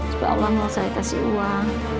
supaya allah saya kasih uang